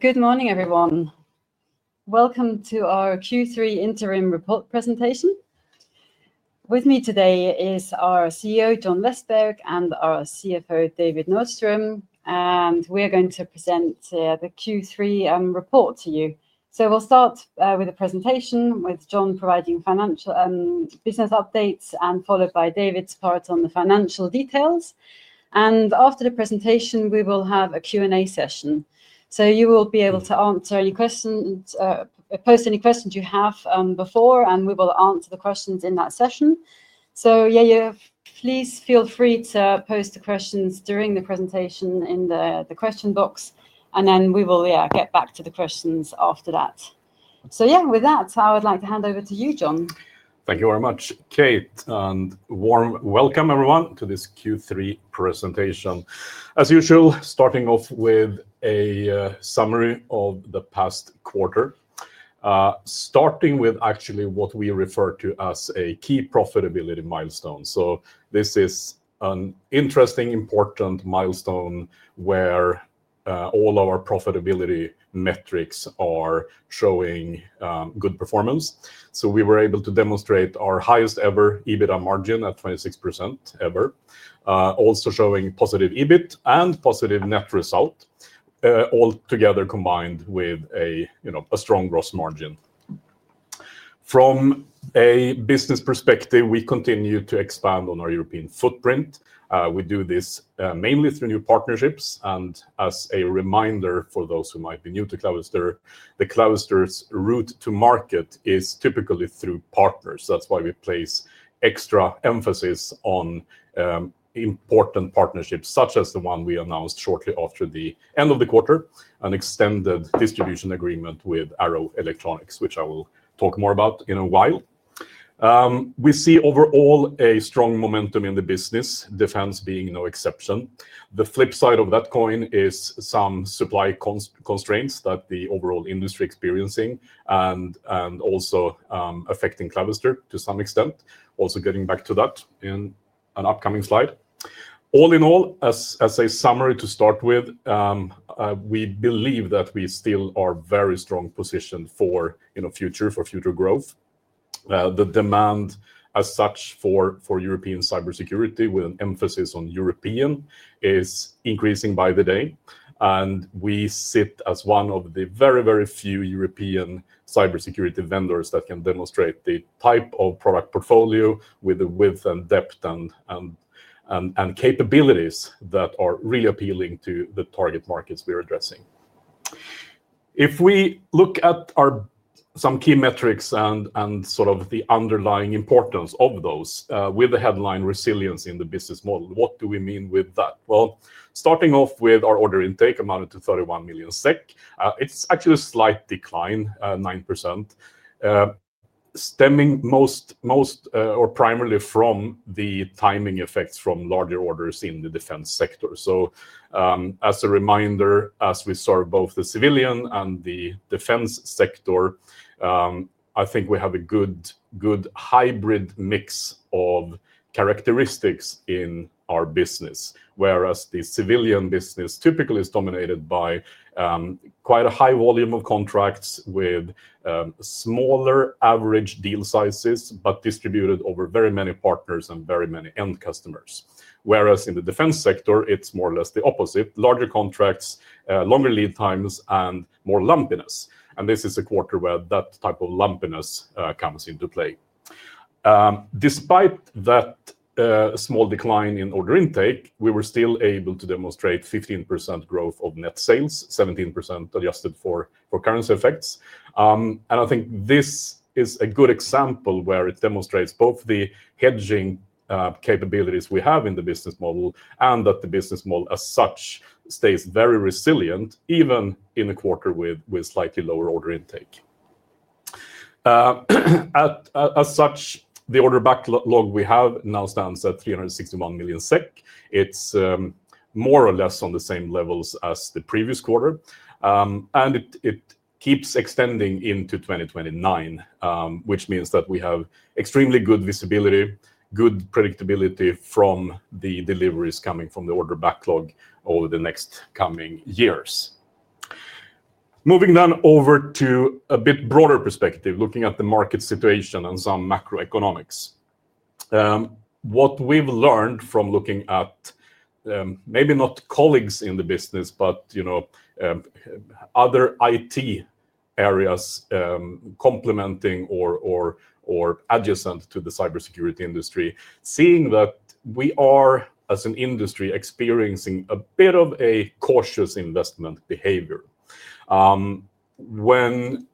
Good morning, everyone. Welcome to our Q3 interim report presentation. With me today is our CEO, John Vestberg, and our CFO, David Nordström, and we're going to present the Q3 report to you. We'll start with a presentation with John providing financial business updates, followed by David's part on the financial details. After the presentation, we will have a Q&A session. You will be able to answer any questions, post any questions you have before, and we will answer the questions in that session. Please feel free to post the questions during the presentation in the question box, and then we will get back to the questions after that. With that, I would like to hand over to you, John. Thank you very much, Kate, and warm welcome, everyone, to this Q3 presentation. As usual, starting off with a summary of the past quarter. Starting with actually what we refer to as a key profitability milestone. This is an interesting, important milestone where all of our profitability metrics are showing good performance. We were able to demonstrate our highest ever EBITDA margin at 26% ever. Also showing positive EBIT and positive net result. All together combined with a strong gross margin. From a business perspective, we continue to expand on our European footprint. We do this mainly through new partnerships. As a reminder for those who might be new to Clavister, Clavister's route to market is typically through partners. That is why we place extra emphasis on. Important partnerships, such as the one we announced shortly after the end of the quarter, an extended distribution agreement with Arrow Electronics, which I will talk more about in a while. We see overall a strong momentum in the business, defense being no exception. The flip side of that coin is some supply constraints that the overall industry is experiencing and also affecting Clavister to some extent. Also getting back to that in an upcoming slide. All in all, as a summary to start with. We believe that we still are very strong positioned for future growth. The demand as such for European cybersecurity, with an emphasis on European, is increasing by the day. We sit as one of the very, very few European cybersecurity vendors that can demonstrate the type of product portfolio with the width and depth and. Capabilities that are really appealing to the target markets we're addressing. If we look at some key metrics and sort of the underlying importance of those, with the headline resilience in the business model, what do we mean with that? Starting off with our order intake amounted to 31 million SEK. It's actually a slight decline, 9%, stemming most or primarily from the timing effects from larger orders in the defense sector. As a reminder, as we serve both the civilian and the defense sector, I think we have a good hybrid mix of characteristics in our business, whereas the civilian business typically is dominated by quite a high volume of contracts with smaller average deal sizes, but distributed over very many partners and very many end customers. Whereas in the defense sector, it's more or less the opposite: larger contracts, longer lead times, and more lumpiness. This is a quarter where that type of lumpiness comes into play. Despite that small decline in order intake, we were still able to demonstrate 15% growth of net sales, 17% adjusted for currency effects. I think this is a good example where it demonstrates both the hedging capabilities we have in the business model and that the business model as such stays very resilient even in a quarter with slightly lower order intake. As such, the order backlog we have now stands at 361 million SEK. It is more or less on the same levels as the previous quarter, and it keeps extending into 2029, which means that we have extremely good visibility, good predictability from the deliveries coming from the order backlog over the next coming years. Moving then over to a bit broader perspective, looking at the market situation and some macroeconomics. What we've learned from looking at, maybe not colleagues in the business, but other IT areas, complementing or adjacent to the cybersecurity industry, seeing that we are, as an industry, experiencing a bit of a cautious investment behavior. When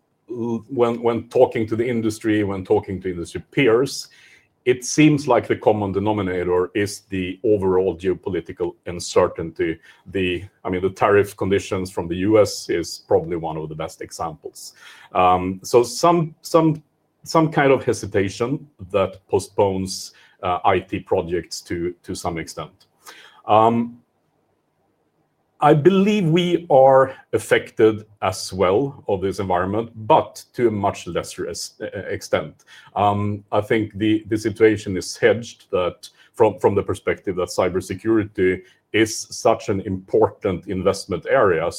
talking to the industry, when talking to industry peers, it seems like the common denominator is the overall geopolitical uncertainty. I mean, the tariff conditions from the U.S. is probably one of the best examples. Some kind of hesitation that postpones IT projects to some extent. I believe we are affected as well by this environment, but to a much lesser extent. I think the situation is hedged from the perspective that cybersecurity is such an important investment area.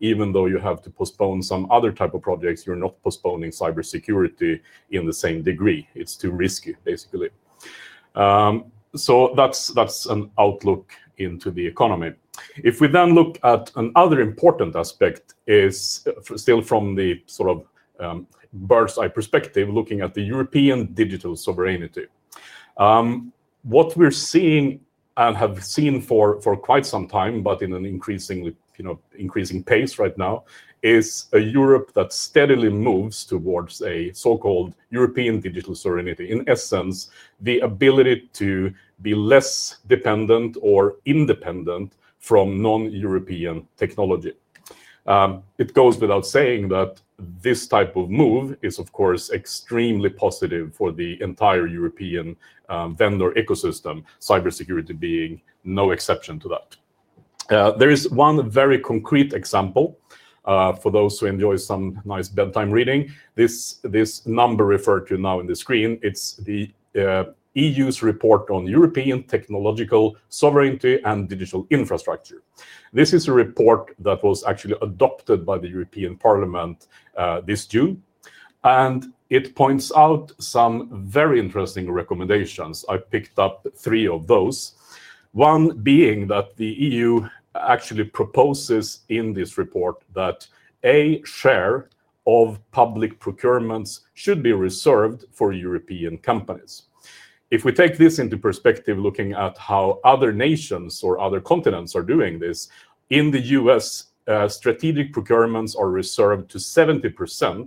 Even though you have to postpone some other type of projects, you're not postponing cybersecurity in the same degree. It's too risky, basically. That's an outlook into the economy. If we then look at another important aspect, still from the sort of birthside perspective, looking at the European digital sovereignty. What we're seeing and have seen for quite some time, but in an increasing pace right now, is a Europe that steadily moves towards a so-called European digital sovereignty, in essence, the ability to be less dependent or independent from non-European technology. It goes without saying that this type of move is, of course, extremely positive for the entire European vendor ecosystem, cybersecurity being no exception to that. There is one very concrete example for those who enjoy some nice bedtime reading. This number referred to now in the screen, it's the EU's report on European technological sovereignty and digital infrastructure. This is a report that was actually adopted by the European Parliament this June. And it points out some very interesting recommendations. I picked up three of those. One being that the EU actually proposes in this report that a share of public procurements should be reserved for European companies. If we take this into perspective, looking at how other nations or other continents are doing this, in the U.S., strategic procurements are reserved to 70%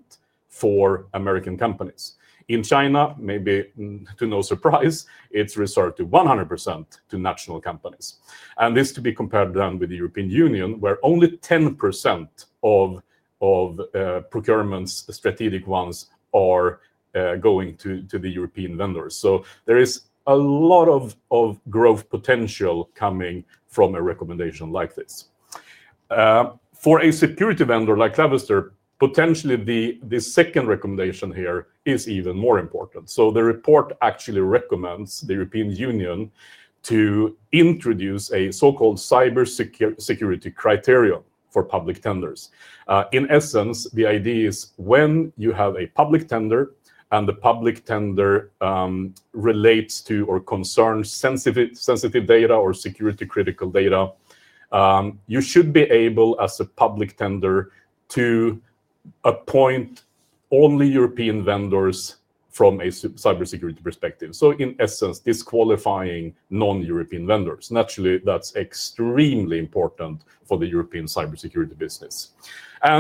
for American companies. In China, maybe to no surprise, it is reserved to 100% to national companies. This to be compared then with the European Union, where only 10% of procurements, strategic ones, are going to the European vendors. There is a lot of growth potential coming from a recommendation like this. For a security vendor like Clavister, potentially the second recommendation here is even more important. The report actually recommends the European Union to introduce a so-called cybersecurity criterion for public tenders. In essence, the idea is when you have a public tender and the public tender. Relates to or concerns sensitive data or security-critical data. You should be able, as a public tender, to appoint only European vendors from a cybersecurity perspective. In essence, disqualifying non-European vendors. Naturally, that is extremely important for the European cybersecurity business.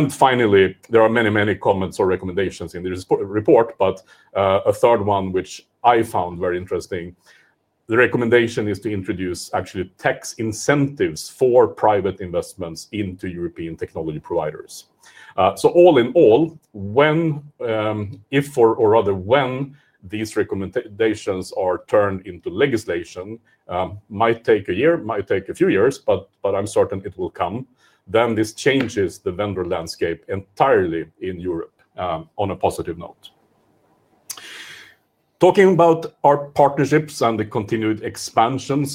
Finally, there are many, many comments or recommendations in this report, but a third one, which I found very interesting. The recommendation is to introduce actually tax incentives for private investments into European technology providers. All in all, if or rather when these recommendations are turned into legislation, it might take a year, might take a few years, but I am certain it will come. This changes the vendor landscape entirely in Europe on a positive note. Talking about our partnerships and the continued expansion,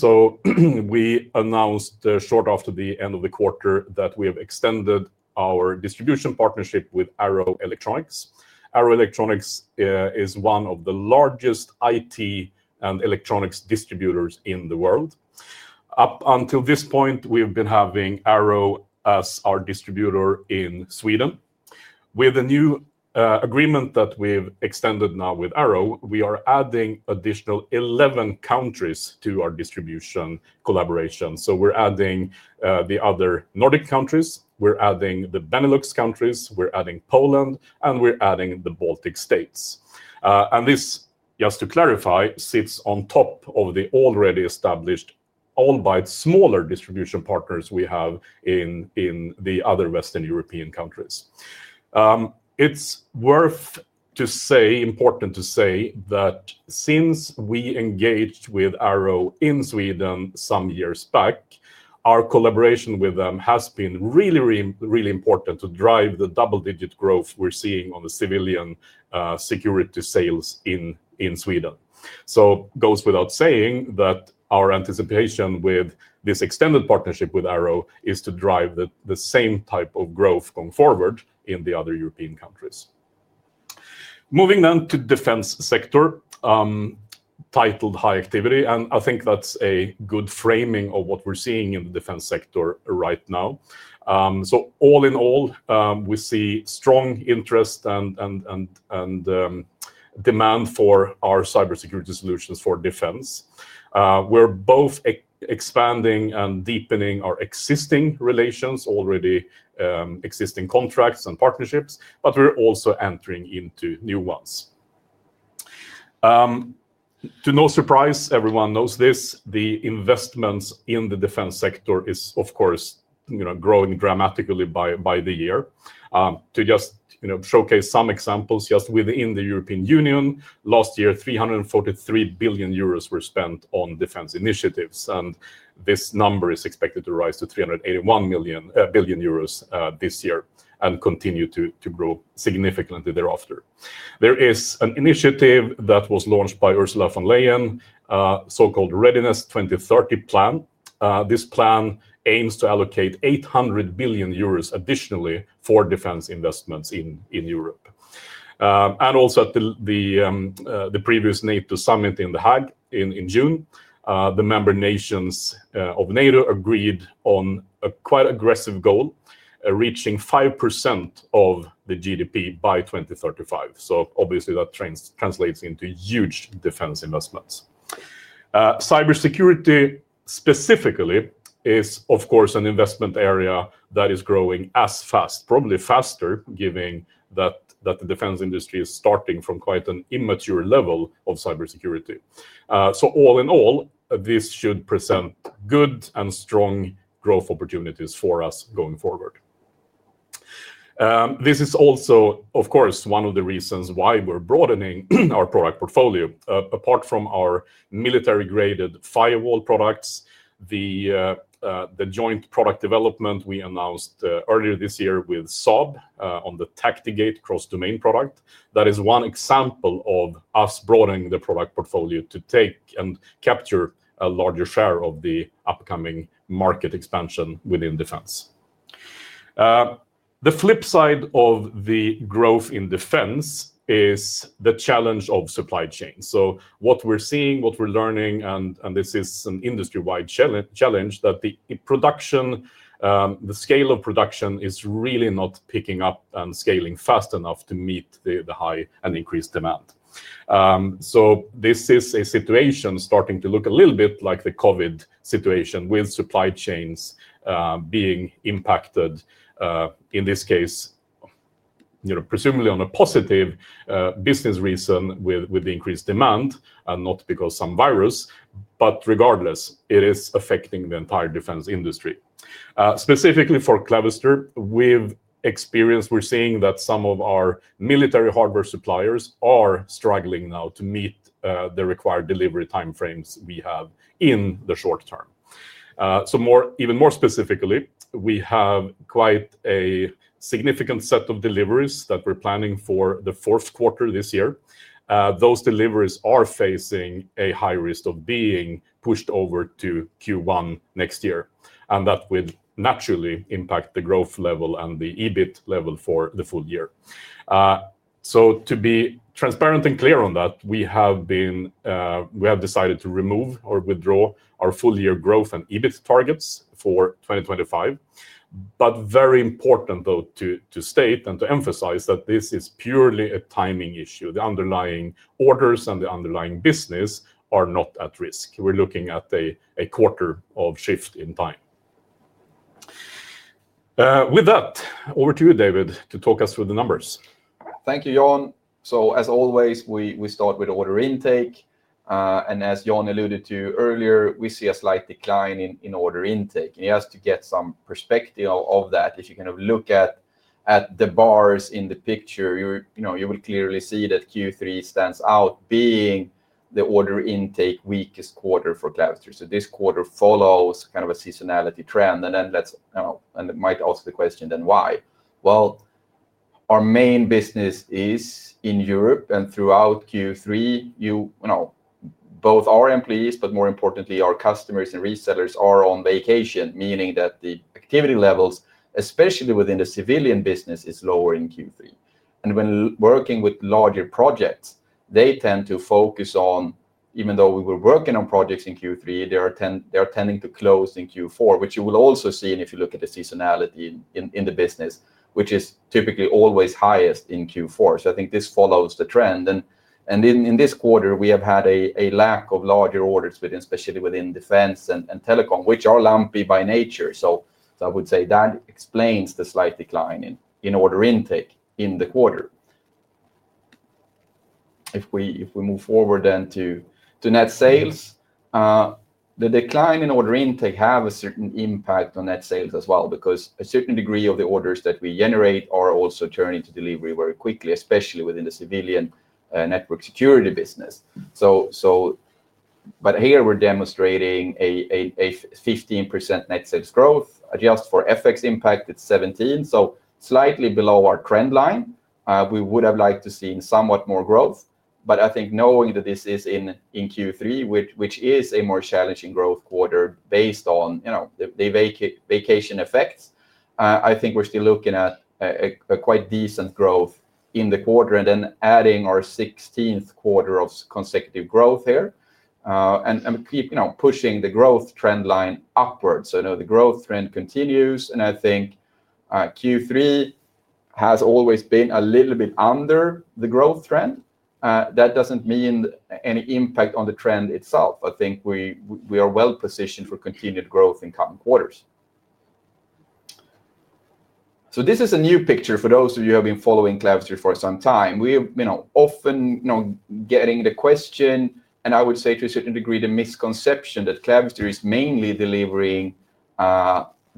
we announced shortly after the end of the quarter that we have extended our distribution partnership with Arrow Electronics. Arrow Electronics is one of the largest IT and electronics distributors in the world. Up until this point, we've been having Arrow as our distributor in Sweden. With the new agreement that we've extended now with Arrow, we are adding additional 11 countries to our distribution collaboration. We are adding the other Nordic countries, we are adding the Benelux countries, we are adding Poland, and we are adding the Baltic states. This, just to clarify, sits on top of the already established, all by smaller distribution partners we have in the other Western European countries. It's worth to say, important to say, that since we engaged with Arrow in Sweden some years back, our collaboration with them has been really, really important to drive the double-digit growth we're seeing on the civilian security sales in Sweden. It goes without saying that our anticipation with this extended partnership with Arrow is to drive the same type of growth going forward in the other European countries. Moving then to the defense sector. Titled high activity. I think that's a good framing of what we're seeing in the defense sector right now. All in all, we see strong interest and demand for our cybersecurity solutions for defense. We're both expanding and deepening our existing relations, already existing contracts and partnerships, but we're also entering into new ones. To no surprise, everyone knows this, the investments in the defense sector are, of course, growing dramatically by the year. To just showcase some examples, just within the European Union, last year, 343 billion euros were spent on defense initiatives. This number is expected to rise to 381 billion euros this year and continue to grow significantly thereafter. There is an initiative that was launched by Ursula von der Leyen, so-called Readiness 2030 plan. This plan aims to allocate 800 billion euros additionally for defense investments in Europe. Also, at the previous NATO summit in The Hague in June, the member nations of NATO agreed on a quite aggressive goal, reaching 5% of the GDP by 2035. Obviously, that translates into huge defense investments. Cybersecurity specifically is, of course, an investment area that is growing as fast, probably faster, given that the defense industry is starting from quite an immature level of cybersecurity. All in all, this should present good and strong growth opportunities for us going forward. This is also, of course, one of the reasons why we're broadening our product portfolio. Apart from our military-graded firewall products, the. Joint product development we announced earlier this year with Saab on the TactiGate cross-domain product, that is one example of us broadening the product portfolio to take and capture a larger share of the upcoming market expansion within defense. The flip side of the growth in defense is the challenge of supply chain. What we're seeing, what we're learning, and this is an industry-wide challenge, is that the production, the scale of production is really not picking up and scaling fast enough to meet the high and increased demand. This is a situation starting to look a little bit like the COVID situation, with supply chains being impacted. In this case, presumably on a positive business reason with the increased demand and not because of some virus. Regardless, it is affecting the entire defense industry. Specifically for Clavister, we've experienced, we're seeing that some of our military hardware suppliers are struggling now to meet the required delivery timeframes we have in the short term. Even more specifically, we have quite a significant set of deliveries that we're planning for the fourth quarter this year. Those deliveries are facing a high risk of being pushed over to Q1 next year. That would naturally impact the growth level and the EBIT level for the full year. To be transparent and clear on that, we have decided to remove or withdraw our full-year growth and EBIT targets for 2025. Very important though to state and to emphasize that this is purely a timing issue. The underlying orders and the underlying business are not at risk. We're looking at a quarter of shift in time. With that, over to you, David, to talk us through the numbers. Thank you, John. As always, we start with order intake. As John alluded to earlier, we see a slight decline in order intake. You have to get some perspective of that. If you kind of look at the bars in the picture, you will clearly see that Q3 stands out being the order intake weakest quarter for Clavister. This quarter follows kind of a seasonality trend. You might ask the question then, why? Our main business is in Europe and throughout Q3, both our employees, but more importantly, our customers and resellers are on vacation, meaning that the activity levels, especially within the civilian business, is lower in Q3. When working with larger projects, they tend to focus on, even though we were working on projects in Q3, they are tending to close in Q4, which you will also see if you look at the seasonality in the business, which is typically always highest in Q4. I think this follows the trend. In this quarter, we have had a lack of larger orders, especially within defense and telecom, which are lumpy by nature. I would say that explains the slight decline in order intake in the quarter. If we move forward then to net sales. The decline in order intake has a certain impact on net sales as well, because a certain degree of the orders that we generate are also turning to delivery very quickly, especially within the civilian network security business. Here we're demonstrating a 15% net sales growth. Just for FX impact, it's 17. So slightly below our trend line. We would have liked to see somewhat more growth. But I think knowing that this is in Q3, which is a more challenging growth quarter based on the vacation effects, I think we're still looking at a quite decent growth in the quarter and then adding our 16th quarter of consecutive growth here. And pushing the growth trend line upward. So the growth trend continues. And I think Q3 has always been a little bit under the growth trend. That doesn't mean any impact on the trend itself. I think we are well positioned for continued growth in coming quarters. So this is a new picture for those of you who have been following Clavister for some time. We are often getting the question, and I would say to a certain degree, the misconception that Clavister is mainly delivering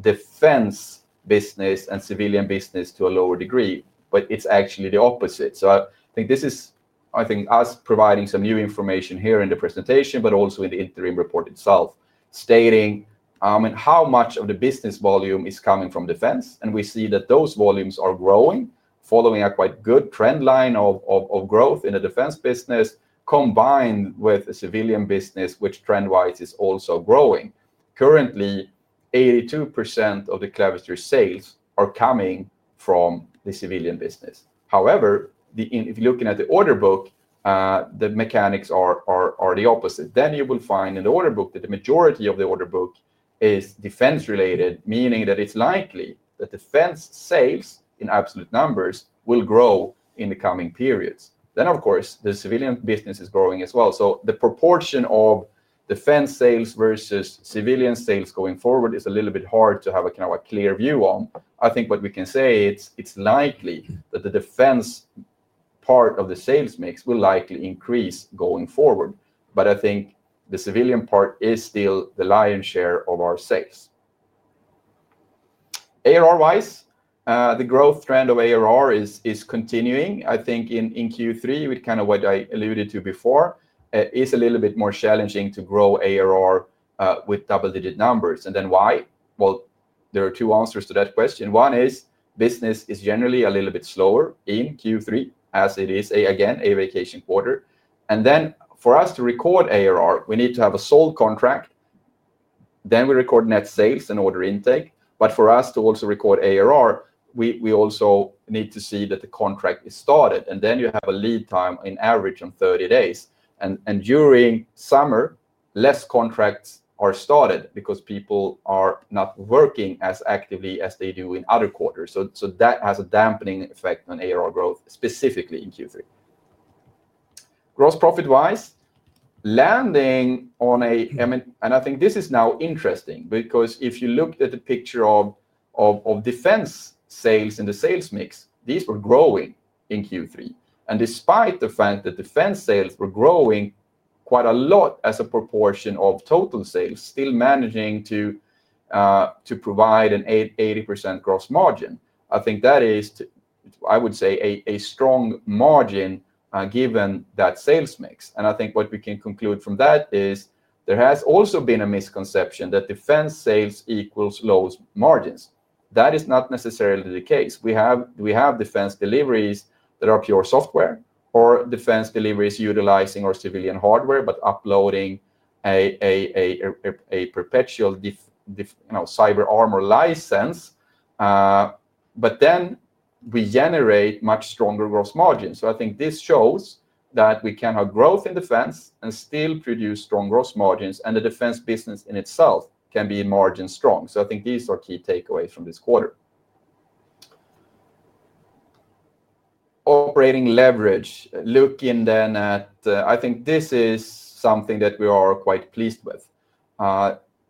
defense business and civilian business to a lower degree. But it's actually the opposite. I think this is, I think, us providing some new information here in the presentation, but also in the interim report itself, stating how much of the business volume is coming from defense. We see that those volumes are growing, following a quite good trend line of growth in the defense business combined with the civilian business, which trend-wise is also growing. Currently, 82% of the Clavister sales are coming from the civilian business. However, if you're looking at the order book, the mechanics are the opposite. You will find in the order book that the majority of the order book is defense-related, meaning that it's likely that defense sales in absolute numbers will grow in the coming periods. Of course, the civilian business is growing as well. The proportion of defense sales versus civilian sales going forward is a little bit hard to have a kind of a clear view on. I think what we can say, it's likely that the defense part of the sales mix will likely increase going forward. I think the civilian part is still the lion's share of our sales. ARR-wise, the growth trend of ARR is continuing. I think in Q3, with kind of what I alluded to before, it is a little bit more challenging to grow ARR with double-digit numbers. Why? There are two answers to that question. One is business is generally a little bit slower in Q3, as it is, again, a vacation quarter. For us to record ARR, we need to have a sold contract. We record net sales and order intake. For us to also record ARR, we also need to see that the contract is started. You have a lead time in average of 30 days. During summer, less contracts are started because people are not working as actively as they do in other quarters. That has a dampening effect on ARR growth, specifically in Q3. Gross profit-wise, landing on a, and I think this is now interesting because if you look at the picture of defense sales and the sales mix, these were growing in Q3. Despite the fact that defense sales were growing quite a lot as a proportion of total sales, still managing to provide an 80% gross margin, I think that is, I would say, a strong margin given that sales mix. I think what we can conclude from that is there has also been a misconception that defense sales equals low margins. That is not necessarily the case. We have defense deliveries that are pure software or defense deliveries utilizing our civilian hardware but uploading a perpetual Cyber Armor license. Then we generate much stronger gross margins. I think this shows that we can have growth in defense and still produce strong gross margins. The defense business in itself can be margin strong. I think these are key takeaways from this quarter. Operating leverage, looking then at, I think this is something that we are quite pleased with.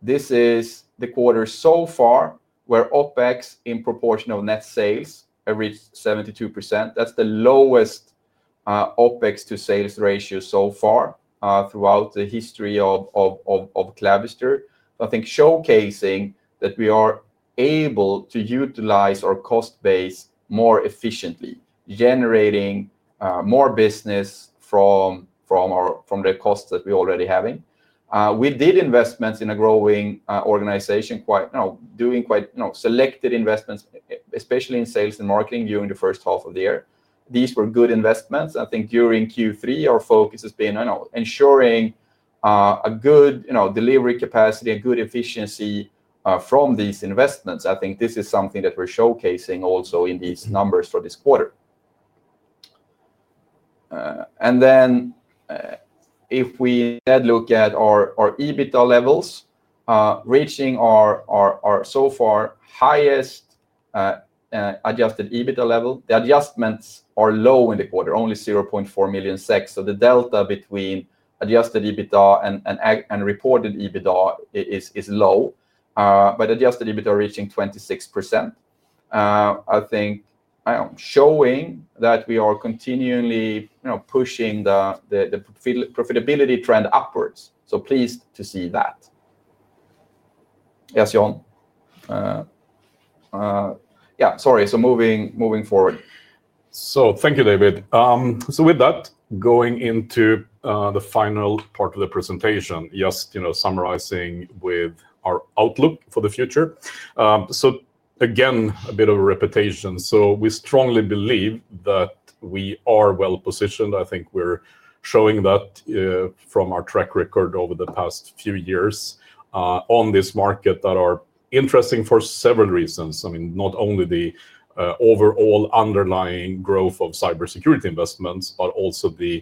This is the quarter so far where OpEx in proportion of net sales have reached 72%. That is the lowest OpEx to sales ratio so far throughout the history of Clavister. I think showcasing that we are able to utilize our cost base more efficiently, generating more business from the costs that we are already having. We did investments in a growing organization, doing quite selected investments, especially in sales and marketing during the first half of the year. These were good investments. I think during Q3, our focus has been ensuring a good delivery capacity, a good efficiency from these investments. I think this is something that we are showcasing also in these numbers for this quarter. If we then look at our EBITDA levels, reaching our so far highest. Adjusted EBITDA level, the adjustments are low in the quarter, only 0.4 million. So the delta between adjusted EBITDA and reported EBITDA is low. But adjusted EBITDA reaching 26%. I think. Showing that we are continually pushing the profitability trend upwards. So pleased to see that. Yes, John. Yeah, sorry. Moving forward. Thank you, David. With that, going into the final part of the presentation, just summarizing with our outlook for the future. Again, a bit of a repetition. We strongly believe that we are well positioned. I think we are showing that from our track record over the past few years. On this market that is interesting for several reasons. I mean, not only the overall underlying growth of cybersecurity investments, but also the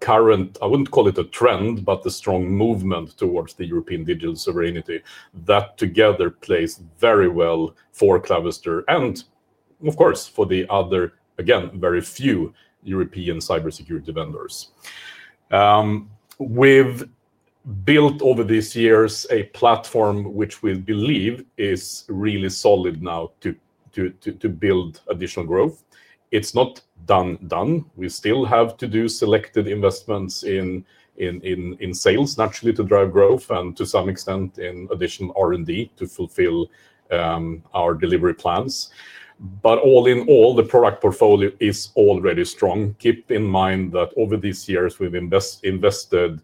current, I would not call it a trend, but the strong movement towards the European digital sovereignty. That together plays very well for Clavister and, of course, for the other, again, very few European cybersecurity vendors. We've built over these years a platform which we believe is really solid now to build additional growth. It's not done. We still have to do selected investments in sales, naturally, to drive growth and to some extent in additional R&D to fulfill our delivery plans. All in all, the product portfolio is already strong. Keep in mind that over these years, we've invested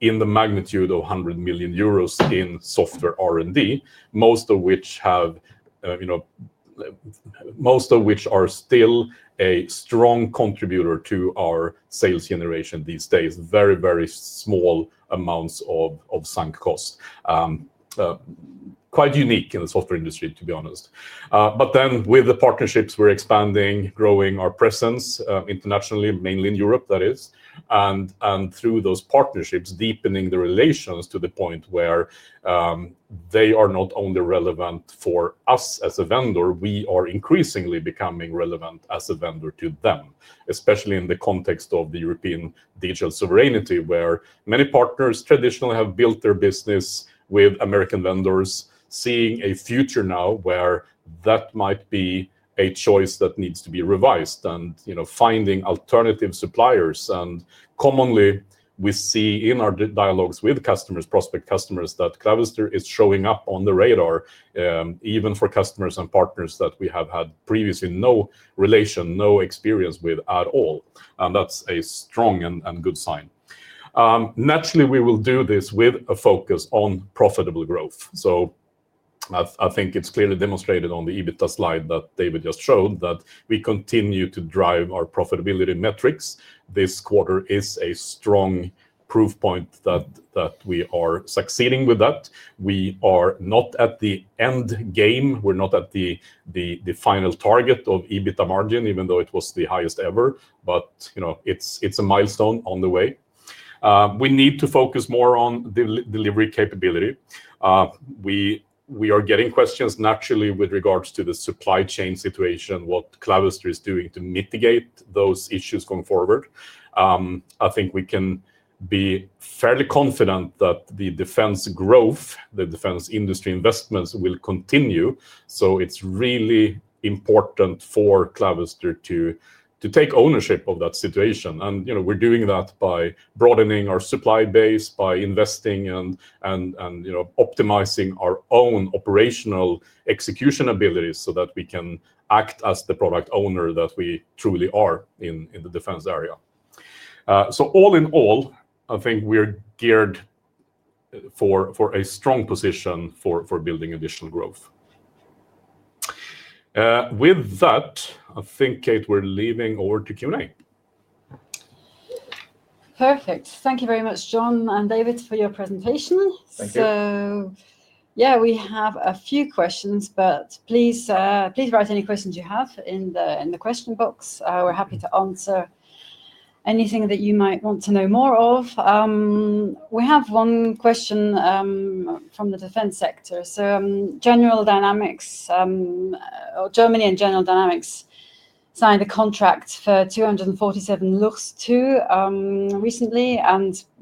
in the magnitude of 100 million euros in software R&D, most of which are still a strong contributor to our sales generation these days, very, very small amounts of sunk cost. Quite unique in the software industry, to be honest. With the partnerships, we're expanding, growing our presence internationally, mainly in Europe, that is. Through those partnerships, deepening the relations to the point where they are not only relevant for us as a vendor, we are increasingly becoming relevant as a vendor to them, especially in the context of the European digital sovereignty, where many partners traditionally have built their business with American vendors, seeing a future now where that might be a choice that needs to be revised and finding alternative suppliers. Commonly, we see in our dialogues with customers, prospect customers, that Clavister is showing up on the radar, even for customers and partners that we have had previously no relation, no experience with at all. That is a strong and good sign. Naturally, we will do this with a focus on profitable growth. I think it is clearly demonstrated on the EBITDA slide that David just showed that we continue to drive our profitability metrics. This quarter is a strong proof point that we are succeeding with that. We are not at the end game. We're not at the final target of EBITDA margin, even though it was the highest ever. It is a milestone on the way. We need to focus more on delivery capability. We are getting questions, naturally, with regards to the supply chain situation, what Clavister is doing to mitigate those issues going forward. I think we can be fairly confident that the defense growth, the defense industry investments will continue. It is really important for Clavister to take ownership of that situation. We're doing that by broadening our supply base, by investing and optimizing our own operational execution abilities so that we can act as the product owner that we truly are in the defense area. All in all, I think we're geared. For a strong position for building additional growth. With that, I think, Kate, we're leaving over to Q&A. Perfect. Thank you very much, John and David, for your presentation. Thank you. Yeah, we have a few questions, but please write any questions you have in the question box. We're happy to answer anything that you might want to know more of. We have one question from the defense sector. General Dynamics or Germany and General Dynamics signed a contract for 247 Luchs 2 recently.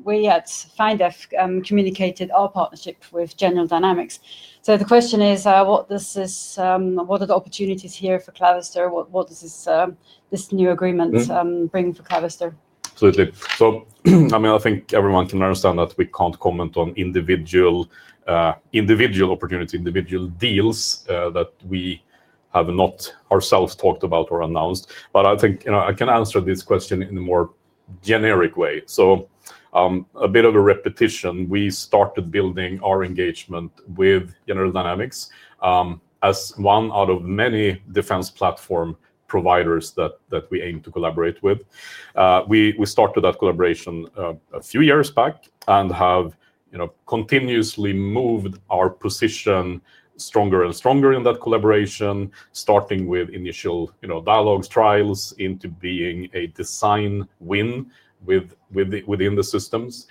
We at FINDEF communicated our partnership with General Dynamics. The question is, what are the opportunities here for Clavister? What does this new agreement bring for Clavister? Absolutely. I think everyone can understand that we can't comment on individual opportunities, individual deals that we have not ourselves talked about or announced. I think I can answer this question in a more generic way. A bit of a repetition. We started building our engagement with General Dynamics as one out of many defense platform providers that we aim to collaborate with. We started that collaboration a few years back and have continuously moved our position, stronger and stronger in that collaboration, starting with initial dialogues, trials into being a design win within the systems.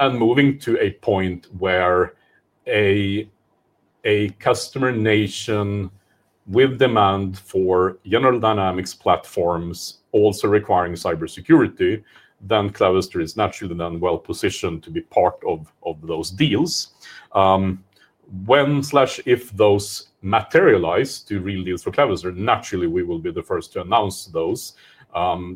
Moving to a point where a customer nation with demand for General Dynamics platforms also requiring cybersecurity, then Clavister is naturally then well positioned to be part of those deals. When or if those materialize to real deals for Clavister, naturally, we will be the first to announce those. I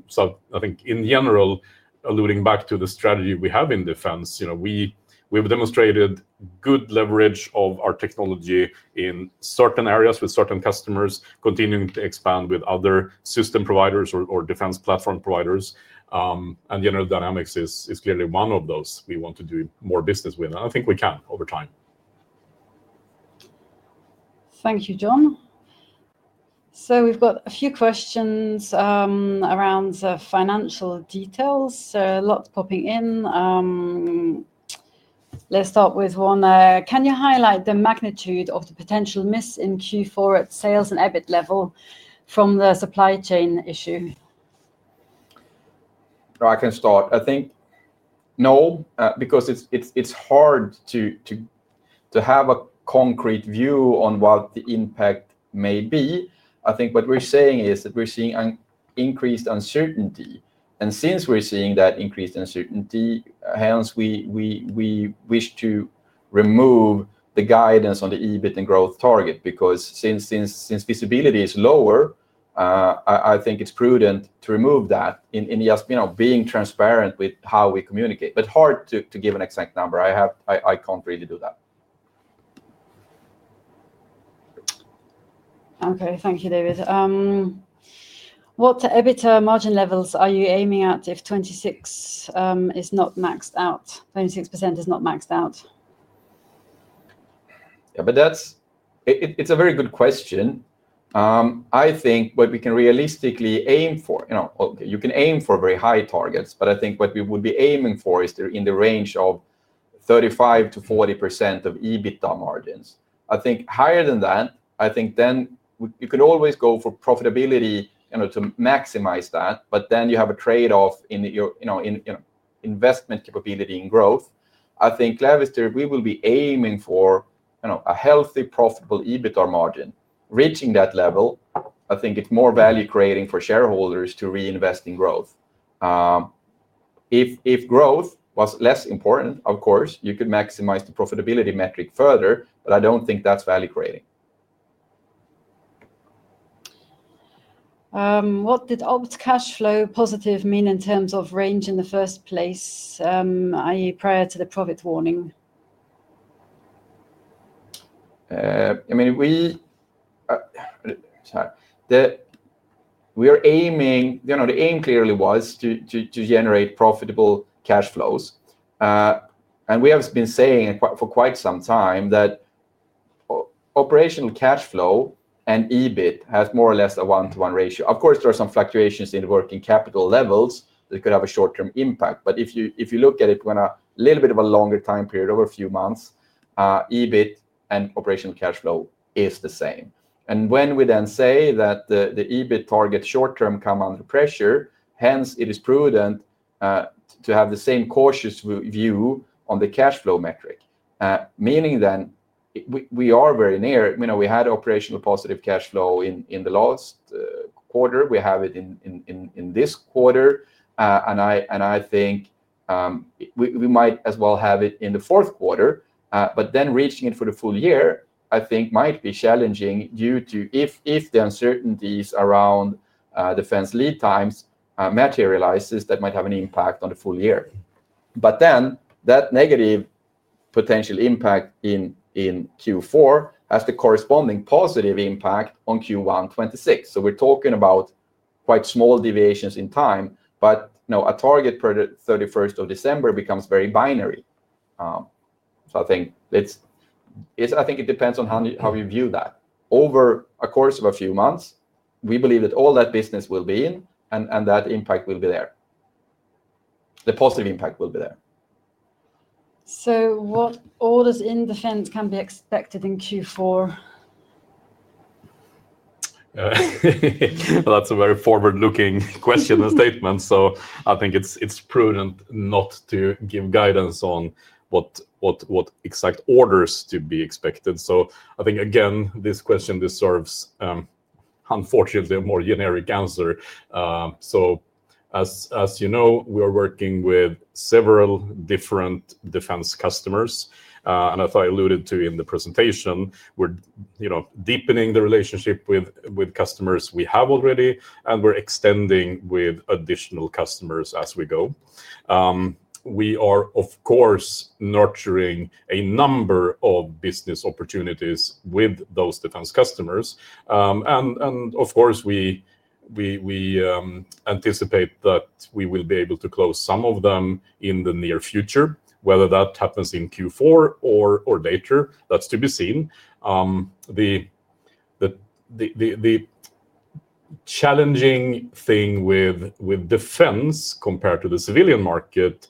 think in general, alluding back to the strategy we have in defense, we've demonstrated good leverage of our technology in certain areas with certain customers, continuing to expand with other system providers or defense platform providers. General Dynamics is clearly one of those we want to do more business with. I think we can over time. Thank you, John. We've got a few questions around financial details. Lots popping in. Let's start with one. Can you highlight the magnitude of the potential miss in Q4 at sales and EBIT level from the supply chain issue? I can start. I think no, because it's hard to have a concrete view on what the impact may be. I think what we're saying is that we're seeing an increased uncertainty. Since we're seeing that increased uncertainty, hence we. Wish to remove the guidance on the EBIT and growth target. Because since visibility is lower. I think it's prudent to remove that in just being transparent with how we communicate. But hard to give an exact number. I can't really do that. Okay. Thank you, David. What EBITDA margin levels are you aiming at if 26% is not maxed out? 26% is not maxed out. It's a very good question. I think what we can realistically aim for, you can aim for very high targets, but I think what we would be aiming for is in the range of 35%-40% of EBITDA margins. I think higher than that, I think then you could always go for profitability to maximize that, but then you have a trade-off in. Investment capability and growth. I think Clavister, we will be aiming for. A healthy, profitable EBITDA margin. Reaching that level, I think it's more value-creating for shareholders to reinvest in growth. If growth was less important, of course, you could maximize the profitability metric further. I don't think that's value-creating. What did old cash flow positive mean in terms of range in the first place, i.e., prior to the profit warning? I mean, we are aiming, the aim clearly was to generate profitable cash flows. We have been saying for quite some time that operational cash flow and EBIT has more or less a one-to-one ratio. Of course, there are some fluctuations in the working capital levels that could have a short-term impact. If you look at it on a little bit of a longer time period, over a few months, EBIT and operational cash flow is the same. When we then say that the EBIT target short-term come under pressure, hence it is prudent to have the same cautious view on the cash flow metric. Meaning then, we are very near. We had operational positive cash flow in the last quarter. We have it in this quarter. I think we might as well have it in the fourth quarter. Then reaching it for the full year, I think, might be challenging due to if the uncertainties around defense lead times materializes, that might have an impact on the full year. That negative potential impact in Q4 has the corresponding positive impact on Q1 2026. We are talking about quite small deviations in time, but a target per 31st of December becomes very binary. I think it depends on how you view that. Over the course of a few months, we believe that all that business will be in and that impact will be there. The positive impact will be there. What orders in defense can be expected in Q4? That is a very forward-looking question and statement. I think it is prudent not to give guidance on what exact orders to be expected. I think, again, this question deserves, unfortunately, a more generic answer. As you know, we are working with several different defense customers. As I alluded to in the presentation, we are deepening the relationship with customers we have already, and we are extending with additional customers as we go. We are, of course, nurturing a number of business opportunities with those defense customers. Of course, we anticipate that we will be able to close some of them in the near future. Whether that happens in Q4 or later, that's to be seen. The challenging thing with defense compared to the civilian market,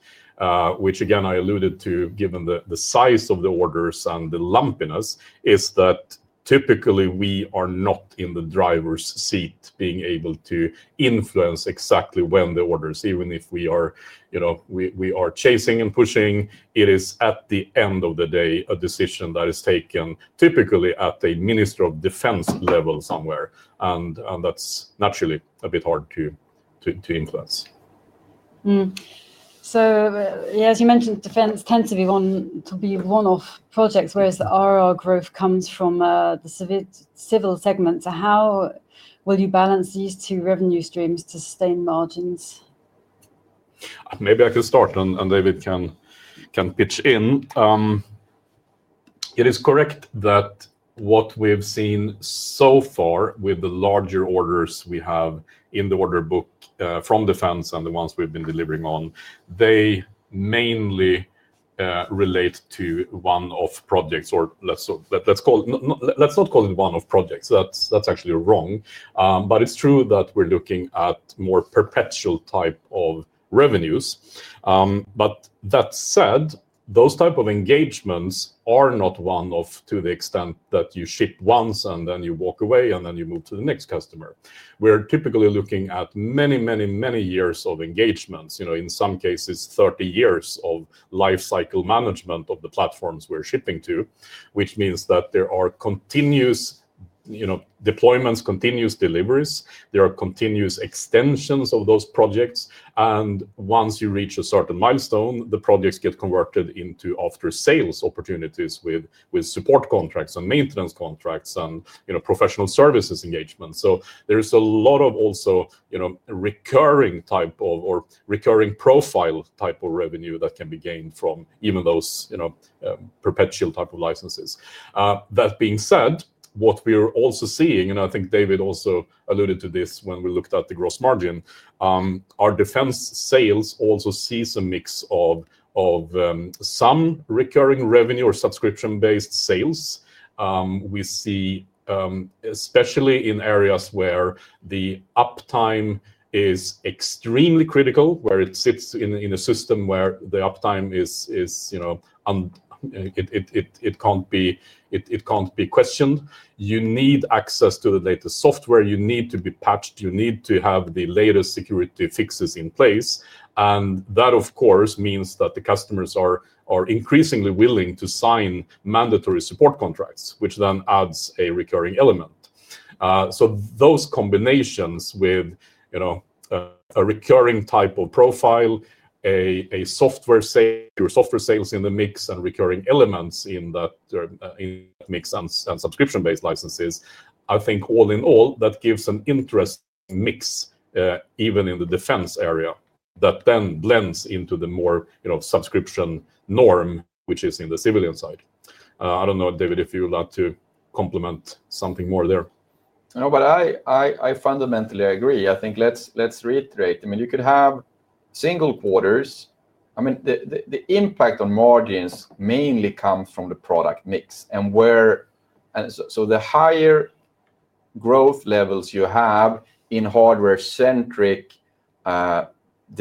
which, again, I alluded to, given the size of the orders and the lumpiness, is that typically we are not in the driver's seat being able to influence exactly when the orders, even if we are chasing and pushing, it is at the end of the day a decision that is taken typically at a Minister of Defense level somewhere. That's naturally a bit hard to influence. As you mentioned, defense tends to be one-off projects, whereas the ARR growth comes from the civil segment. How will you balance these two revenue streams to sustain margins? Maybe I can start, and David can pitch in. It is correct that what we've seen so far with the larger orders we have in the order book from defense and the ones we've been delivering on, they mainly relate to one-off projects. Or let's not call it one-off projects. That's actually wrong. But it's true that we're looking at more perpetual type of revenues. That said, those type of engagements are not one-off to the extent that you ship once and then you walk away and then you move to the next customer. We're typically looking at many, many, many years of engagements, in some cases, 30 years of lifecycle management of the platforms we're shipping to, which means that there are continuous deployments, continuous deliveries. There are continuous extensions of those projects. Once you reach a certain milestone, the projects get converted into after-sales opportunities with support contracts and maintenance contracts and professional services engagements. There's a lot of also recurring type of or recurring profile type of revenue that can be gained from even those perpetual type of licenses. That being said, what we're also seeing, and I think David also alluded to this when we looked at the gross margin, our defense sales also see some mix of some recurring revenue or subscription-based sales. We see, especially in areas where the uptime is extremely critical, where it sits in a system where the uptime is, it can't be questioned. You need access to the latest software. You need to be patched. You need to have the latest security fixes in place. That, of course, means that the customers are increasingly willing to sign mandatory support contracts, which then adds a recurring element. Those combinations with a recurring type of profile, software sales in the mix, and recurring elements in that. Mix and subscription-based licenses, I think all in all, that gives an interesting mix, even in the defense area, that then blends into the more subscription norm, which is in the civilian side. I don't know, David, if you would like to complement something more there. No, but I fundamentally agree. I think let's reiterate. I mean, you could have single quarters. I mean, the impact on margins mainly comes from the product mix. The higher growth levels you have in hardware-centric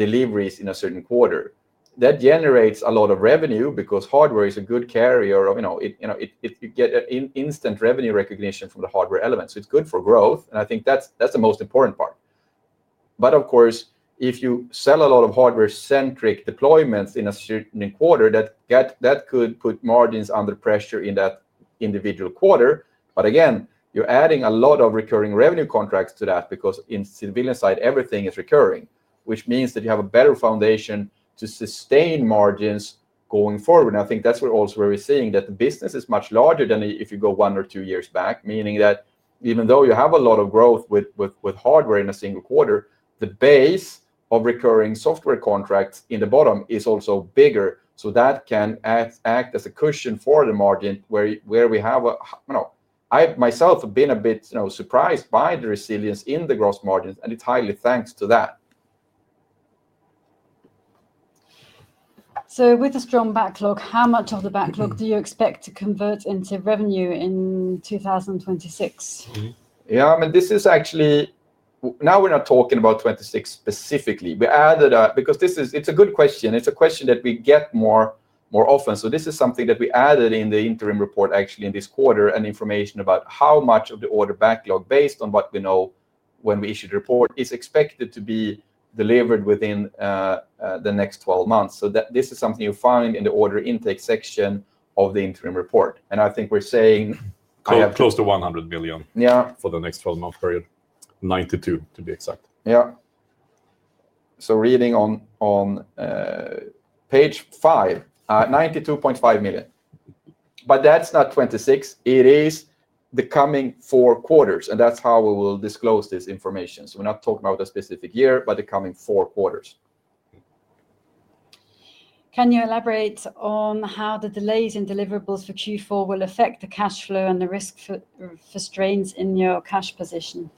deliveries in a certain quarter, that generates a lot of revenue because hardware is a good carrier of. You get instant revenue recognition from the hardware elements. It is good for growth. I think that's the most important part. Of course, if you sell a lot of hardware-centric deployments in a certain quarter, that could put margins under pressure in that individual quarter. Again, you're adding a lot of recurring revenue contracts to that because in the civilian side, everything is recurring, which means that you have a better foundation to sustain margins going forward. I think that's also where we're seeing that the business is much larger than if you go one or two years back, meaning that even though you have a lot of growth with hardware in a single quarter, the base of recurring software contracts in the bottom is also bigger. That can act as a cushion for the margin where we have. I myself have been a bit surprised by the resilience in the gross margins, and it's highly thanks to that. With a strong backlog, how much of the backlog do you expect to convert into revenue in 2026? I mean, this is actually. Now we're not talking about 2026 specifically. Because it's a good question. It's a question that we get more often. This is something that we added in the interim report, actually, in this quarter, and information about how much of the order backlog, based on what we know when we issued the report, is expected to be delivered within the next 12 months. This is something you find in the order intake section of the interim report. I think we're saying close to 100 million for the next 12-month period. 92 million, to be exact. Yeah. Reading on page five, 92.5 million. That is not 2026. It is the coming four quarters. That is how we will disclose this information. We are not talking about a specific year, but the coming four quarters. Can you elaborate on how the delays in deliverables for Q4 will affect the cash flow and the risk for strains in your cash position?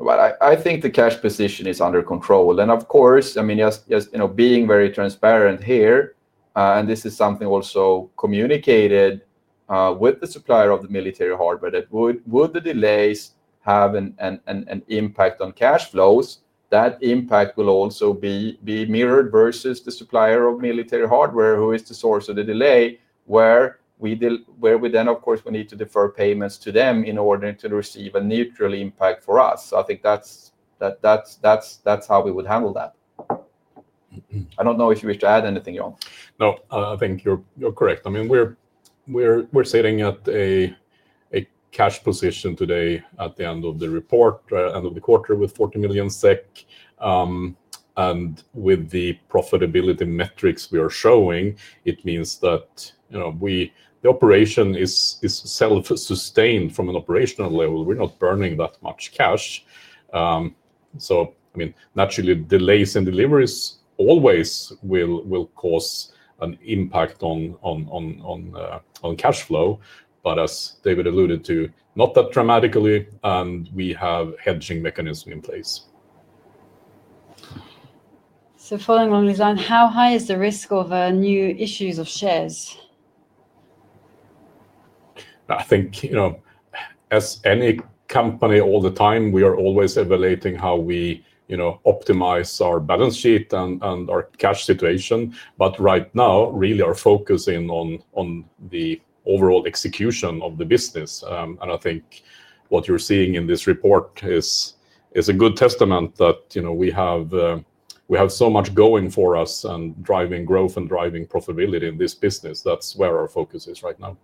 I think the cash position is under control. I mean, just being very transparent here, and this is something also communicated. With the supplier of the military hardware, the delays have an impact on cash flows. That impact will also be mirrored versus the supplier of military hardware, who is the source of the delay, where we need to defer payments to them in order to receive a neutral impact for us. I think that's how we would handle that. I don't know if you wish to add anything, John. No, I think you're correct. I mean, we're sitting at a. Cash position today at the end of the report, end of the quarter with 40 million SEK. With the profitability metrics we are showing, it means that the operation is self-sustained from an operational level. We're not burning that much cash. I mean, naturally, delays in deliveries always will cause an impact on cash flow. As David alluded to, not that dramatically, and we have hedging mechanisms in place. Following on, Lisan, how high is the risk of new issues of shares? I think as any company all the time, we are always evaluating how we optimize our balance sheet and our cash situation. Right now, really, our focus is on the overall execution of the business. I think what you're seeing in this report is a good testament that we have. So much going for us and driving growth and driving profitability in this business. That's where our focus is right now.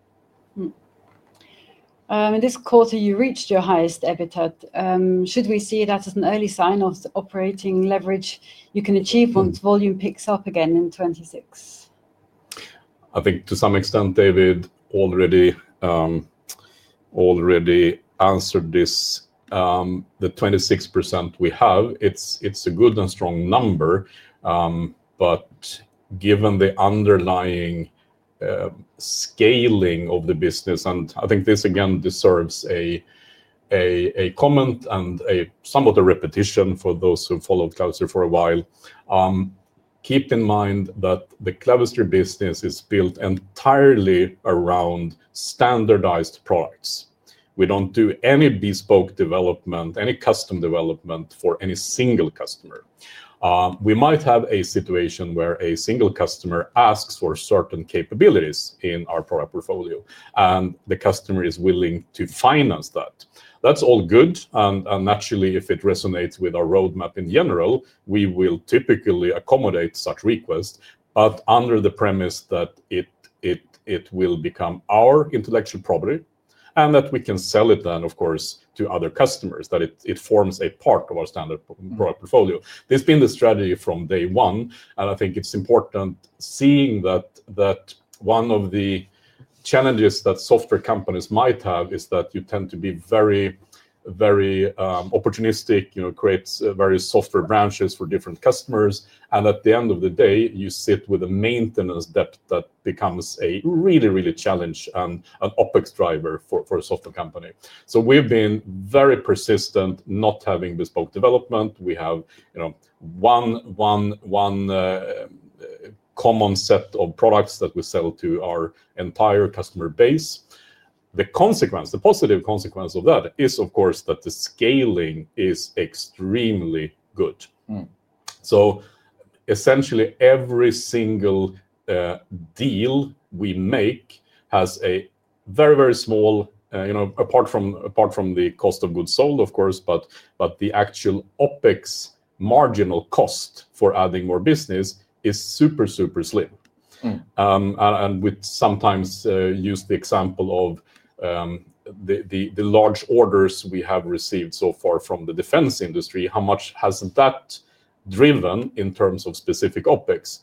In this quarter, you reached your highest EBITDA. Should we see that as an early sign of operating leverage you can achieve once volume picks up again in 2026? I think to some extent, David. Already answered this. The 26% we have, it's a good and strong number. Given the underlying scaling of the business, and I think this, again, deserves a comment and somewhat a repetition for those who followed Clavister for a while. Keep in mind that the Clavister business is built entirely around standardized products. We don't do any bespoke development, any custom development for any single customer. We might have a situation where a single customer asks for certain capabilities in our product portfolio, and the customer is willing to finance that. That's all good. Naturally, if it resonates with our roadmap in general, we will typically accommodate such requests, but under the premise that it will become our intellectual property and that we can sell it then, of course, to other customers, that it forms a part of our standard product portfolio. This has been the strategy from day one. I think it's important seeing that one of the challenges that software companies might have is that you tend to be very opportunistic, create various software branches for different customers. At the end of the day, you sit with a maintenance debt that becomes a really, really challenge and an OpEx driver for a software company. We've been very persistent in not having bespoke development. We have one common set of products that we sell to our entire customer base. The positive consequence of that is, of course, that the scaling is extremely good. Essentially, every single deal we make has a very, very small, apart from the cost of goods sold, of course, but the actual OpEx marginal cost for adding more business is super, super slim. We sometimes use the example of the large orders we have received so far from the defense industry. How much has that driven in terms of specific OpEx?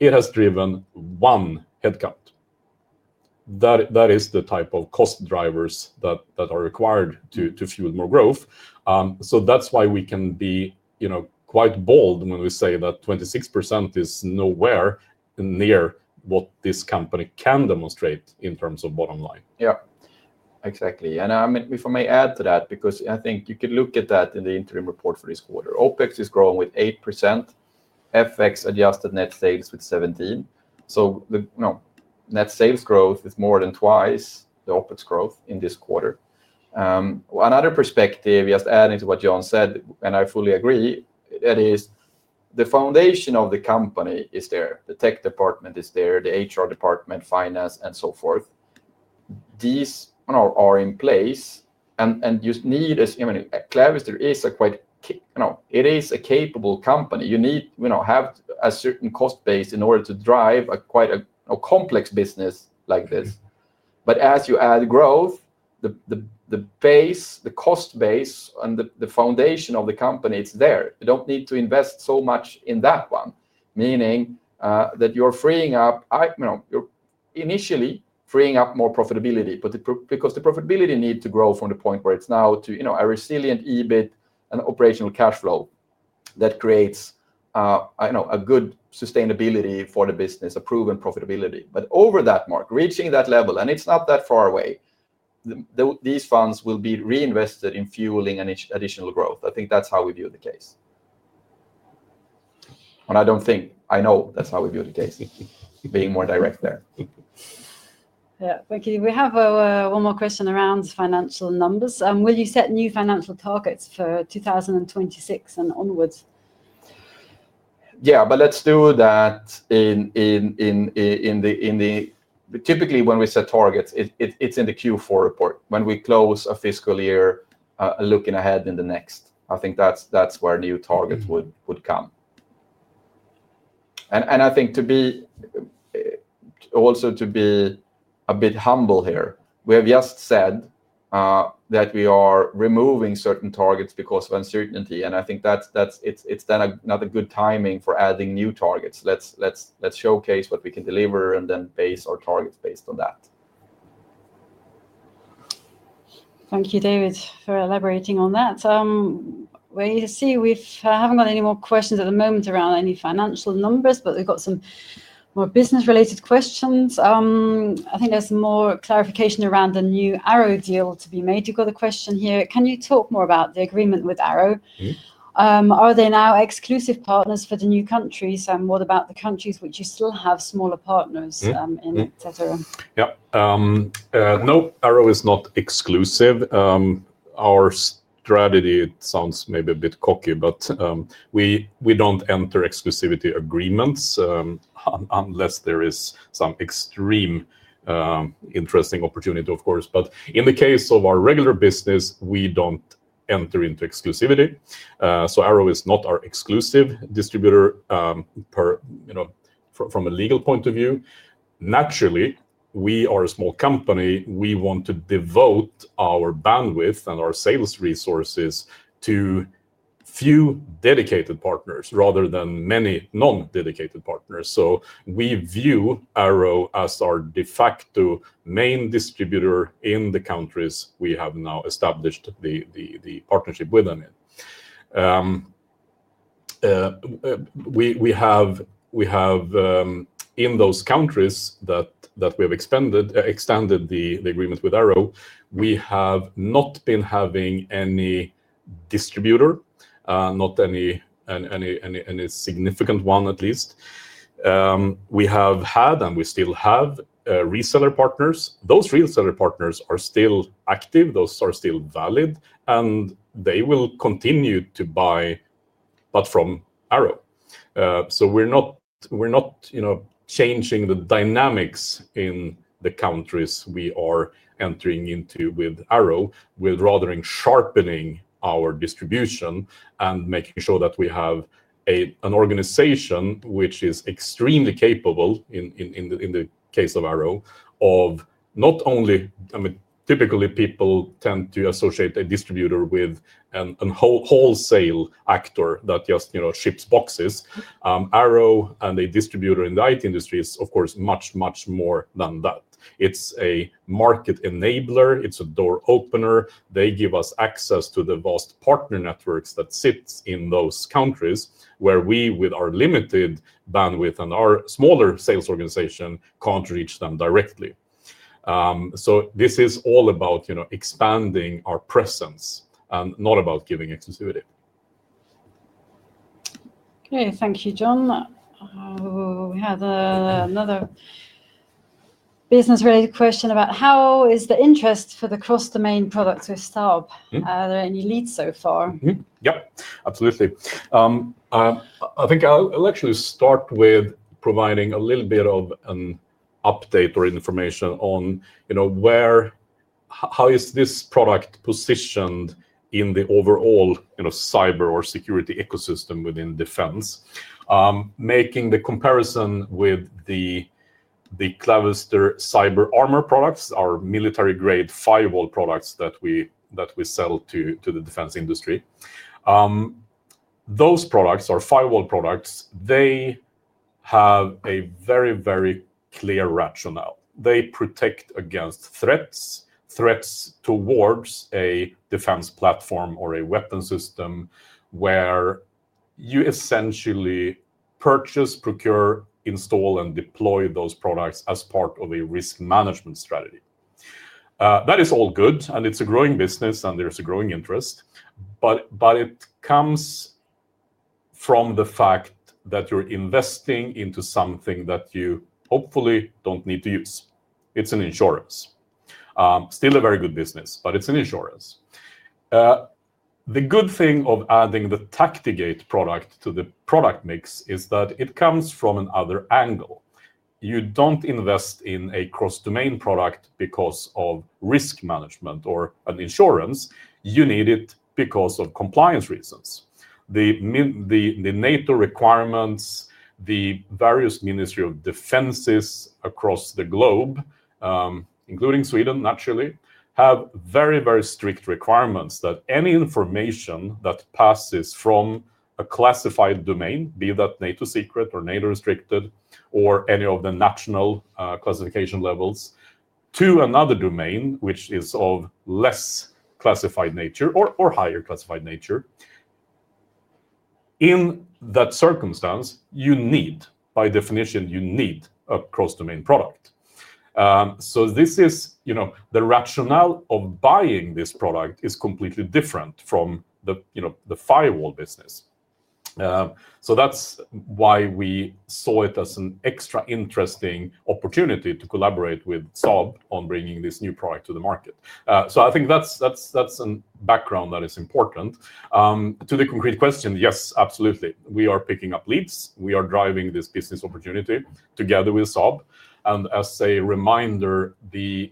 It has driven one headcount. That is the type of cost drivers that are required to fuel more growth. That is why we can be quite bold when we say that 26% is nowhere near what this company can demonstrate in terms of bottom line. Yeah, exactly. If I may add to that, because I think you could look at that in the interim report for this quarter. OpEx is growing with 8%. FX adjusted net sales with 17%. Net sales growth is more than twice the OpEx growth in this quarter. Another perspective, just adding to what John said, and I fully agree, that is the foundation of the company is there. The tech department is there, the HR department, finance, and so forth. These are in place. You need a—I mean, Clavister is a quite—it is a capable company. You need to have a certain cost base in order to drive quite a complex business like this. As you add growth, the base, the cost base, and the foundation of the company, it's there. You do not need to invest so much in that one, meaning that you're freeing up—you're initially freeing up more profitability. Because the profitability needs to grow from the point where it's now to a resilient EBIT and operational cash flow that creates a good sustainability for the business, a proven profitability. Over that mark, reaching that level, and it's not that far away. These funds will be reinvested in fueling additional growth. I think that's how we view the case. I don't think—I know that's how we view the case, being more direct there. Yeah. We have one more question around financial numbers. Will you set new financial targets for 2026 and onwards? Yeah, let's do that. Typically, when we set targets, it's in the Q4 report. When we close a fiscal year, looking ahead in the next, I think that's where new targets would come. I think, also to be a bit humble here, we have just said. That we are removing certain targets because of uncertainty. I think it's not a good timing for adding new targets. Let's showcase what we can deliver and then base our targets based on that. Thank you, David, for elaborating on that. We see we haven't got any more questions at the moment around any financial numbers, but we've got some more business-related questions. I think there's more clarification around the new Arrow deal to be made. You've got a question here. Can you talk more about the agreement with Arrow? Are they now exclusive partners for the new countries? What about the countries which you still have smaller partners in, etc.? Yeah. No, Arrow is not exclusive. Our strategy, it sounds maybe a bit cocky, but we don't enter exclusivity agreements. Unless there is some extreme interesting opportunity, of course. In the case of our regular business, we do not enter into exclusivity. Arrow is not our exclusive distributor from a legal point of view. Naturally, we are a small company. We want to devote our bandwidth and our sales resources to a few dedicated partners rather than many non-dedicated partners. We view Arrow as our de facto main distributor in the countries we have now established the partnership with them in. In those countries that we have extended the agreement with Arrow, we have not been having any distributor, not any significant one at least. We have had, and we still have, reseller partners. Those reseller partners are still active. Those are still valid, and they will continue to buy, but from Arrow. We are not changing the dynamics in the countries we are entering into with Arrow. We're rather sharpening our distribution and making sure that we have an organization which is extremely capable in the case of Arrow of not only—I mean, typically, people tend to associate a distributor with a wholesale actor that just ships boxes. Arrow and a distributor in the IT industry is, of course, much, much more than that. It's a market enabler. It's a door opener. They give us access to the vast partner networks that sit in those countries where we, with our limited bandwidth and our smaller sales organization, can't reach them directly. This is all about expanding our presence and not about giving exclusivity. Okay. Thank you, John. We had another business-related question about how is the interest for the cross-domain products with Saab? Are there any leads so far? Yep. Absolutely. I think I'll actually start with providing a little bit of an update or information on how is this product positioned in the overall cyber or security ecosystem within defense. Making the comparison with the Clavister Cyber Armor products, our military-grade firewall products that we sell to the defense industry. Those products, our firewall products, they have a very, very clear rationale. They protect against threats, threats towards a defense platform or a weapon system, where you essentially purchase, procure, install, and deploy those products as part of a risk management strategy. That is all good. It's a growing business, and there's a growing interest. It comes from the fact that you're investing into something that you hopefully don't need to use. It's an insurance. Still a very good business, but it's an insurance. The good thing of adding the TactiGate product to the product mix is that it comes from another angle. You do not invest in a cross-domain product because of risk management or an insurance. You need it because of compliance reasons. The NATO requirements, the various ministries of defenses across the globe, including Sweden, naturally, have very, very strict requirements that any information that passes from a classified domain, be that NATO secret or NATO restricted or any of the national classification levels, to another domain, which is of less classified nature or higher classified nature. In that circumstance, by definition, you need a cross-domain product. This is the rationale of buying this product. It is completely different from the firewall business. That is why we saw it as an extra interesting opportunity to collaborate with Saab on bringing this new product to the market. I think that's a background that is important. To the concrete question, yes, absolutely. We are picking up leads. We are driving this business opportunity together with Saab. As a reminder, the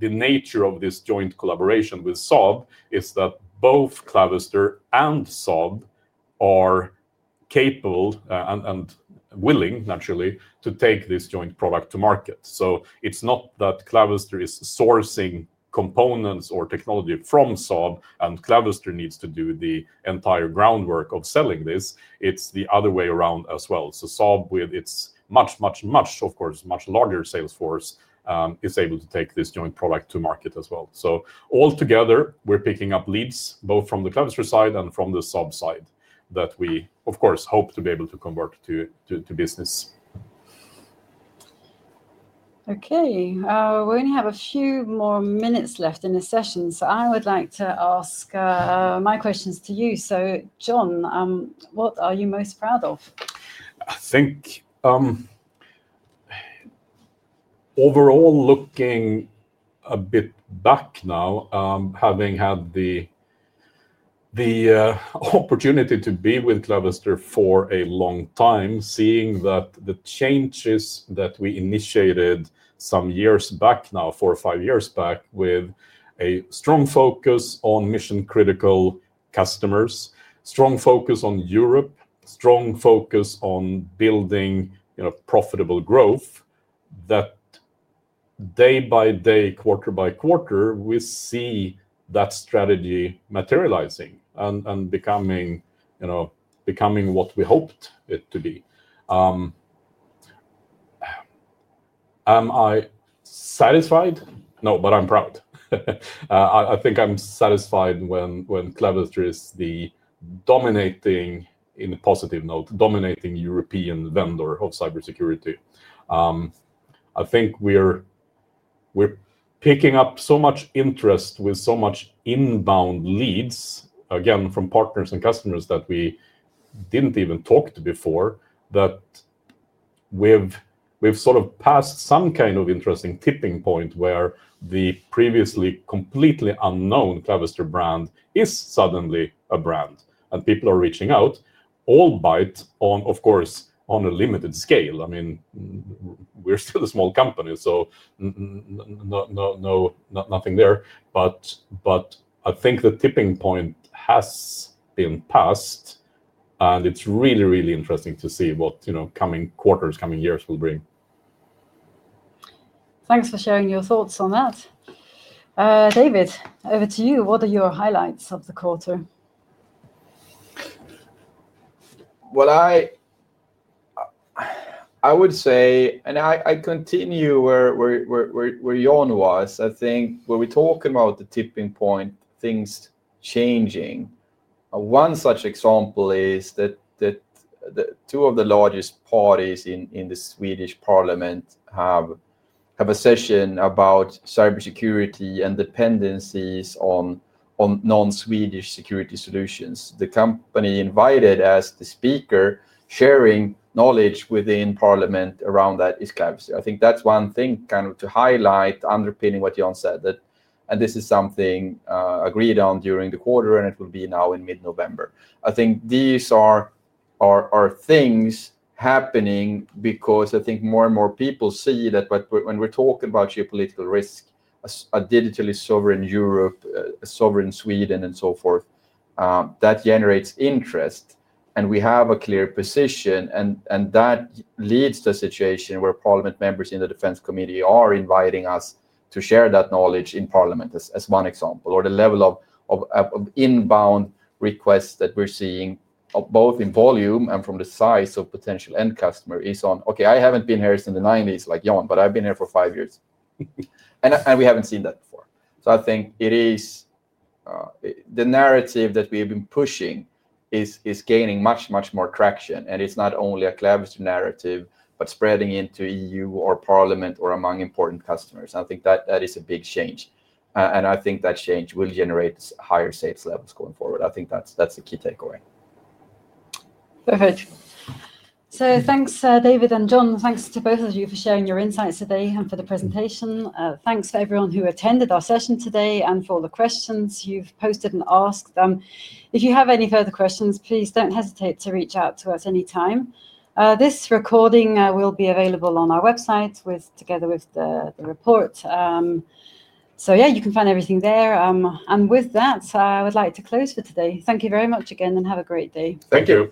nature of this joint collaboration with Saab is that both Clavister and Saab are capable and willing, naturally, to take this joint product to market. It's not that Clavister is sourcing components or technology from Saab, and Clavister needs to do the entire groundwork of selling this. It's the other way around as well. Saab, with its much, much, much, of course, much larger sales force, is able to take this joint product to market as well. Altogether, we're picking up leads both from the Clavister side and from the Saab side that we, of course, hope to be able to convert to business. Okay. We only have a few more minutes left in the session, so I would like to ask my questions to you. So John, what are you most proud of? I think, overall, looking a bit back now, having had the opportunity to be with Clavister for a long time, seeing that the changes that we initiated some years back now, four or five years back, with a strong focus on mission-critical customers, strong focus on Europe, strong focus on building profitable growth, that day by day, quarter by quarter, we see that strategy materializing and becoming what we hoped it to be. Am I satisfied? No, but I'm proud. I think I'm satisfied when Clavister is the dominating, in a positive note, dominating European vendor of cybersecurity. I think we're. Picking up so much interest with so much inbound leads, again, from partners and customers that we did not even talk to before, that. We have sort of passed some kind of interesting tipping point where the previously completely unknown Clavister brand is suddenly a brand. And people are reaching out, all by, of course, on a limited scale. I mean. We are still a small company, so. Nothing there. I think the tipping point has been passed, and it is really, really interesting to see what coming quarters, coming years will bring. Thanks for sharing your thoughts on that. David, over to you. What are your highlights of the quarter? I would say, and I continue where John was, I think, when we are talking about the tipping point, things changing. One such example is that. Two of the largest parties in the Swedish Parliament have. A session about cybersecurity and dependencies on non-Swedish security solutions. The company invited as the speaker, sharing knowledge within Parliament around that, is Clavister. I think that's one thing kind of to highlight, underpinning what John said, that, and this is something agreed on during the quarter, and it will be now in mid-November. I think these are things happening because I think more and more people see that when we're talking about geopolitical risk, a digitally sovereign Europe, a sovereign Sweden, and so forth. That generates interest. We have a clear position. That leads to a situation where Parliament members in the Defense Committee are inviting us to share that knowledge in Parliament, as one example. Or the level of. Inbound requests that we're seeing, both in volume and from the size of potential end customer, is on, "Okay, I haven't been here since the '90s like John, but I've been here for five years." We haven't seen that before. I think it is. The narrative that we have been pushing is gaining much, much more traction. It's not only a Clavister narrative, but spreading into EU or Parliament or among important customers. I think that is a big change. I think that change will generate higher sales levels going forward. I think that's the key takeaway. Perfect. Thanks, David and John. Thanks to both of you for sharing your insights today and for the presentation. Thanks for everyone who attended our session today and for all the questions you've posted and asked. If you have any further questions, please don't hesitate to reach out to us anytime. This recording will be available on our website together with the report. Yeah, you can find everything there. With that, I would like to close for today. Thank you very much again and have a great day. Thank you.